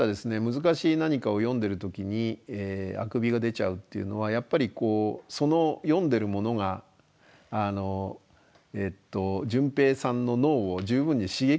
難しい何かを読んでる時にあくびが出ちゃうっていうのはやっぱりその読んでるものがジュンペイさんの脳を十分に刺激してないからだと思いますね。